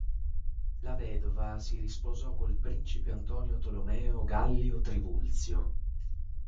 La vedova si risposò col principe Antonio Tolomeo Gallio Trivulzio.